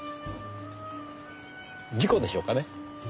事故でしょうかね。